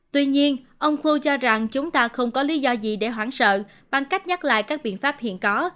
tuy nhiên ông khu cho rằng chúng ta không có lý do gì để hoảng sợ bằng cách nhắc lại các biện pháp hiện có